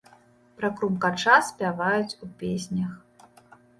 Пра крумкача спяваюць у песнях.